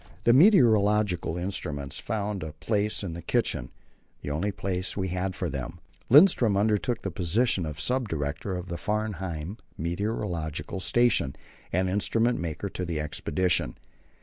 The meteorological instruments found a place in the kitchen the only place we had for them. Lindström undertook the position of sub director of the Framheim meteorological station and instrument maker to the expedition.